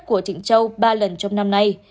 của trịnh châu ba lần trong năm nay